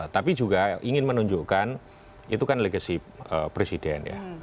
tapi juga ingin menunjukkan itu kan legacy presiden ya